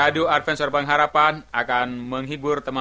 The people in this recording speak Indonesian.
datang segera datang segera